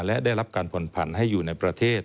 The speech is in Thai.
และได้รับการผ่อนผันให้อยู่ในประเทศ